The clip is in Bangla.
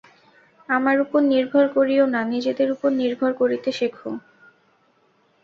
আমার উপর নির্ভর করিও না, নিজেদের উপর নির্ভর করিতে শেখ।